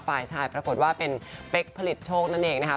ฝ่ายชายปรากฏว่าเป็นเป๊กผลิตโชคนั่นเองนะครับ